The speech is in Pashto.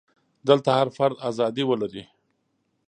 دلته هر فرد ازادي ولري.